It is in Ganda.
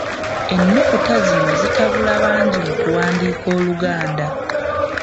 Ennukuta zino zitabula bangi mu kuwandiika Oluganda